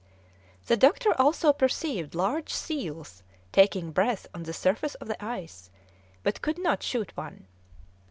The doctor also perceived large seals taking breath on the surface of the ice, but could not shoot one.